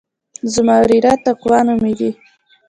زما وريره تقوا نوميږي.